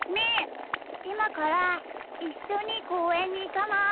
いまからいっしょにこうえんにいかない？